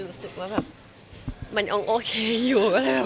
รู้สึกว่าแบบมันครับโอเคอยู่ก็เลยไม่ได้ทานยา